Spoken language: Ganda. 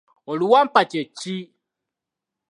Oluwampa kye ki?